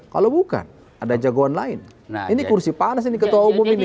kalau bukan ada jagoan lain ini kursi panas ini ketua umum ini